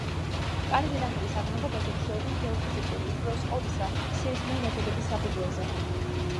მყარი დედამიწის აღნაგობაზე მსჯელობენ გეოფიზიკური, უპირველეს ყოვლისა, სეისმური მეთოდების საფუძველზე.